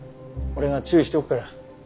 俺が注意しておくから。